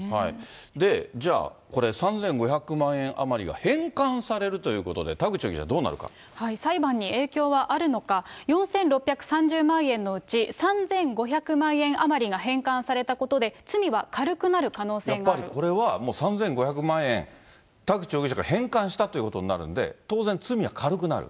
じゃあこれ、３５００万円余りが返還されるということで、田裁判に影響はあるのか、４６３０万円のうち３５００万円余りが返還されたことで罪は軽くやっぱりこれは、３５００万円、田口容疑者が返還したということになるんで、当然罪は軽くなる。